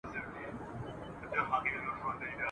مینځي په ښارونو کي د څاروو په څبر خرڅېدل